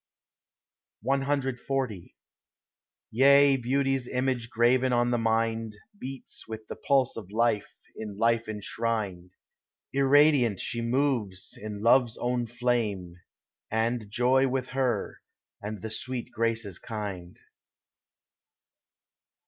CXL Yea, beauty's image graven on the mind Beats with the pulse of life, in life enshrined; Irradiant she moves in love's own flame, And joy with her, and the sweet graces kind.